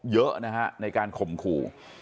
เยอะนะฮะในการข่มขู่